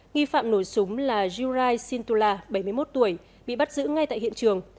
nghi phạm nổi súng là jurai sintula bảy mươi một tuổi bị bắt giữ ngay tại hiện trường